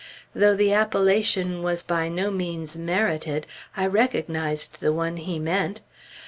Though the appellation was by no means merited, I recognized the one he meant.